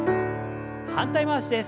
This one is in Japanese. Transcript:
反対回しです。